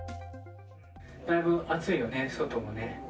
だいぶ暑いよね、外もね。